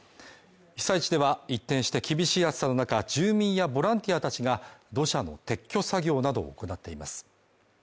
被災地では一転して厳しい暑さの中住民やボランティアたちが、土砂の撤去作業などを行っています。